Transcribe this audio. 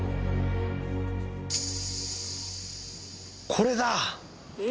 これだ！